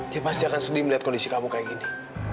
dia pasti akan sedih melihat kondisi kamu kayak gini